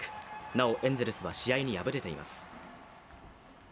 なおエンゼルスは試合に敗れています。